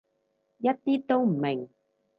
一啲都唔明